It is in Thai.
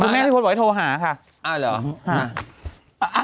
ขอคุณแม่พี่พจนิดแป๊บบอกให้โทรหาค่ะ